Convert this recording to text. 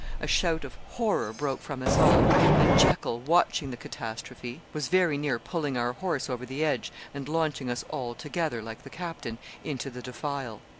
A shout of horror broke from us all; and Jekyl, watching the catastrophe, was very near pulling our horse over the edge, and launching us all together, like the captain, into the defile.